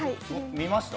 見ました？